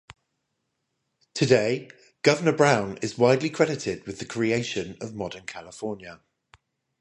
Today, Governor Brown is widely credited with the creation of modern California.